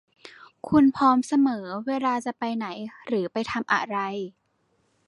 คุณพร้อมเสมอเวลาจะไปไหนหรือไปทำอะไร